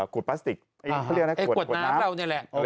กรวดพลาสติกกราวเนี้ยแหละ